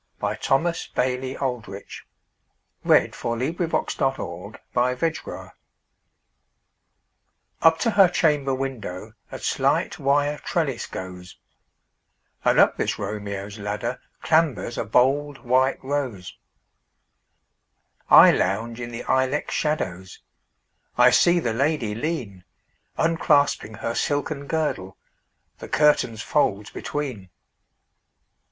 Thomas Bailey Aldrich 1836–1907 Thomas Bailey Aldrich 193 Nocturne UP to her chamber windowA slight wire trellis goes, And up this Romeo's ladderClambers a bold white rose.I lounge in the ilex shadows,I see the lady lean, Unclasping her silken girdle, The curtain's folds between.